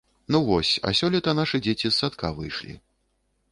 Ну вось, а сёлета нашы дзеці з садка выйшлі.